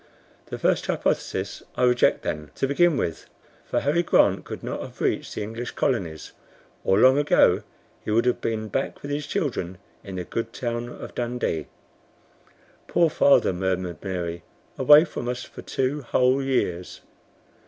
"The first hypothesis I reject, then, to begin with, for Harry Grant could not have reached the English colonies, or long ago he would have been back with his children in the good town of Dundee." "Poor father," murmured Mary, "away from us for two whole years."